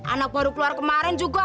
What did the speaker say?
anak baru keluar kemarin juga